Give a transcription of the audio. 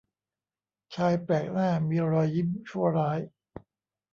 ชายแปลกหน้ามีรอยยิ้มชั่วร้าย